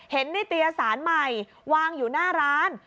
เห็นในตรียสารใหม่วางอยู่หน้าร้าน